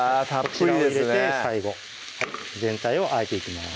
こちらを入れて最後全体をあえていきます